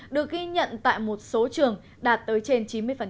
được ghi nhận tại một số trường đạt tới trên chín mươi